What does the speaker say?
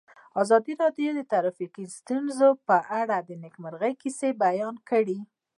ازادي راډیو د ټرافیکي ستونزې په اړه د نېکمرغۍ کیسې بیان کړې.